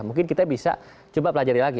mungkin kita bisa coba pelajari lagi